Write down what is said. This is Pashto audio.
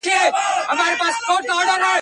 دا لومي د شیطان دي، وسوسې دي چي راځي